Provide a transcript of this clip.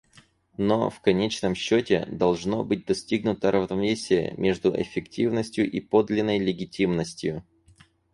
Но, в конечном счете, должно быть достигнуто равновесие между эффективностью и подлинной легитимностью.